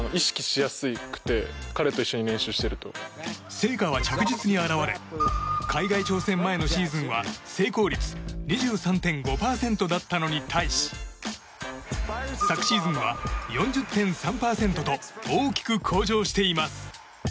成果は着実に表れ海外挑戦前のシーズンは成功率２３．５％だったのに対し昨シーズンは４０．３％と大きく向上しています。